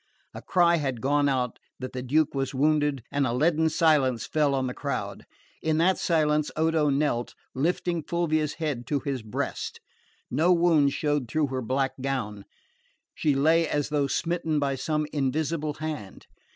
A cry had gone out that the Duke was wounded, and a leaden silence fell on the crowd. In that silence Odo knelt, lifting Fulvia's head to his breast. No wound showed through her black gown. She lay as though smitten by some invisible hand.